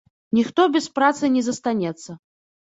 Ніхто без працы не застанецца.